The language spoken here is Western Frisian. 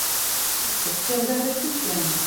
Ik sil wer ris thús sjen.